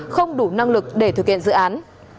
không đủ năng lực để thực hiện dự án